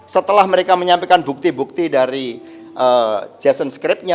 setelah mereka menyampaikan bukti bukti dari jason script nya